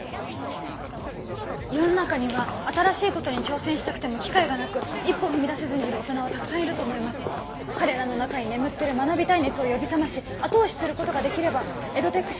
世の中には新しいことに挑戦したくても機会がなく一歩踏み出せずにいる大人はたくさんいると思います彼らの中に眠ってる学びたい熱を呼び覚まし後押しすることができればエドテック